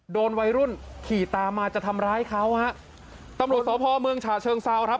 โดนวัยรุ่นขี่ตามมาจะทำร้ายเขาฮะตำรวจสพเมืองฉะเชิงเซาครับ